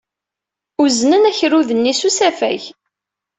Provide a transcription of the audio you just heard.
Uznen akerrud-nni s usafag.